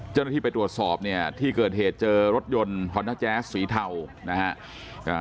เจ้าหน้าที่ไปตรวจสอบเข้าเกิดเหตุรถยนต์ฮอดท้าแจ๊คสีเทานะครับ